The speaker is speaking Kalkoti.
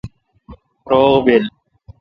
روغ بیل